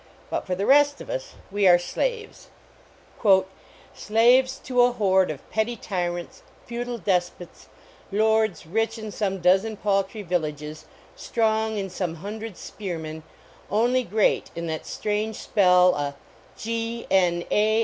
But for the rest of us, we are slaves; "slaves to a horde Of petty tyrants, feudal despots; lords Rich in some dozen paltry villages, Strong in some hundred spearmen, only great In that strange spell a G, n, a.